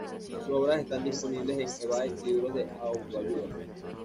Sus obras están disponibles en Ebay libros de autoayuda.